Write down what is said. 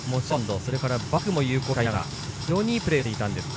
それからバックも有効に使いながら非常にいいプレーをしていたんですが。